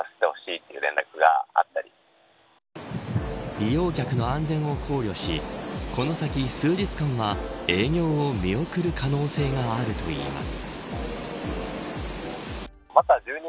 利用客の安全を考慮しこの先数日間は、営業を見送る可能性があるといいます。